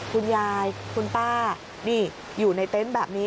คุณยายคุณป้านี่อยู่ในเต็นต์แบบนี้